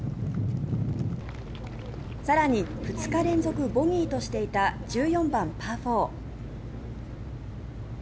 更に、２日連続ボギーとしていた１４番、パー４。